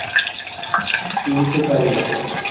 ফিরিতে পারিব না।